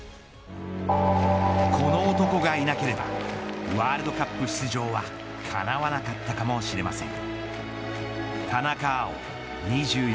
この男がいなければワールドカップ出場がかなわなかったかもしれません。